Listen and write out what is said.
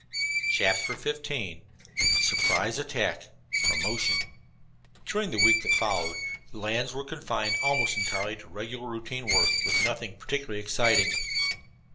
CHAPTER XV THE SURPRISE ATTACK PROMOTION During the week that followed, the lads were confined almost entirely to regular routine work, with nothing particularly exciting.